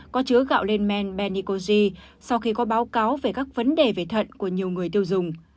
có chứa gạo lên men benikoji sau khi có báo cáo về các vấn đề về thận của nhiều người tiêu dùng